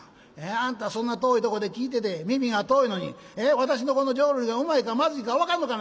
あんたそんな遠いとこで聴いてて耳が遠いのに私のこの浄瑠璃がうまいかまずいか分かんのかいな」。